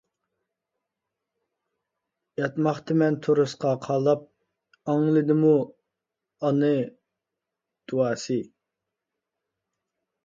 ياتماقتىمەن تورۇسقا قاراپ، ئاڭلىنىدۇ ئانام دۇئاسى.